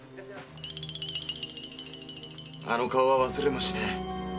〕あの顔は忘れもしねえ。